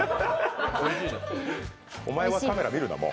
おまえはカメラ見るな、もう。